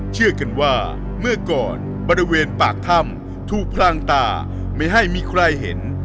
เชื่อกันว่าเมื่อก่อนบริเวณปากถ้ำถูกพลางตาไม่ให้มีใครเห็น